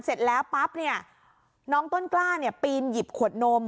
เสร็จแล้วปั๊บเนี่ยน้องต้นกล้าเนี่ยปีนหยิบขวดนม